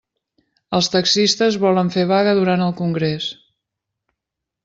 Els taxistes volen fer vaga durant el congrés.